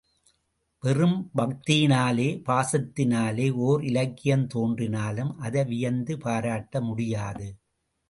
வெறும் பக்தியினாலே பாசத்தினாலே ஓர் இலக்கியம் தோன்றினாலும் அதை வியந்து பாராட்ட முடியாது.